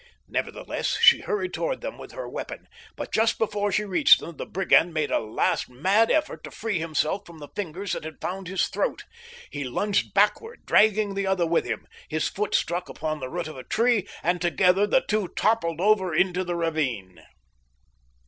Nevertheless, she hurried toward them with her weapon; but just before she reached them the brigand made a last mad effort to free himself from the fingers that had found his throat. He lunged backward, dragging the other with him. His foot struck upon the root of a tree, and together the two toppled over into the ravine.